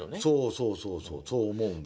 そうそうそうそう思うんだ。